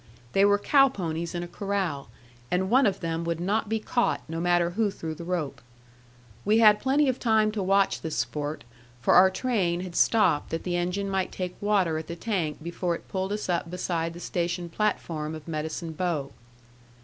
They were cow ponies in a corral, and one of them would not be caught, no matter who threw the rope. We had plenty of time to watch this sport, for our train had stopped that the engine might take water at the tank before it pulled us up beside the station platform of Medicine Bow.